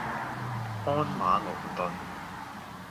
鞍馬勞頓